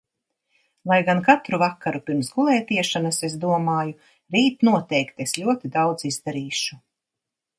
Lai gan katru vakaru pirms gulētiešanas es domāju, rīt noteikti es ļoti daudz izdarīšu.